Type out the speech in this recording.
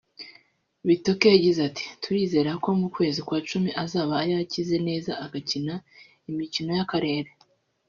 Bitok yagize ati” Turizere ko mu kwezi kwa cumi azaba yakize neza agakina imikino y’akarere